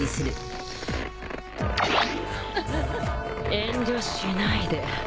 遠慮しないで。